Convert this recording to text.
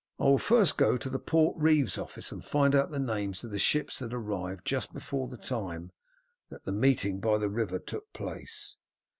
"I will first go to the port reeve's office and find out the names of the ships that arrived just before the time that the meeting by the river took place.